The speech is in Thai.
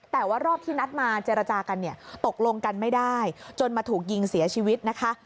แต่ว่ารอบที่นัดมาเจรจากันเนี่ยตกลงกันไม่ได้จนมาถูกยิงเสียชีวิตนะคะ